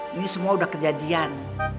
ini semua udah kejadian